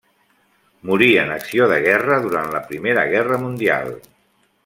Morí en acció de guerra durant la Primera Guerra Mundial.